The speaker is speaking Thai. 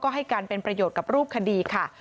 ให้การเป็นประโยชน์กับรูปคดีค่ะ